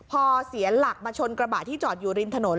พอเสียหลักมาชนกระบะที่จอดอยู่ริมถนน